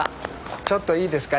ちょっといいですか？